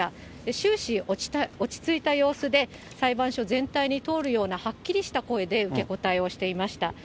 終始、落ち着いた様子で、裁判所全体に通るようなはっきりした声で、受け答えをしていました。